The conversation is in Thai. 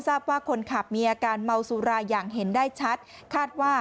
ทราบว่าคนขับมีอาการเมาสุราอย่างเห็นได้ชัดคาดว่า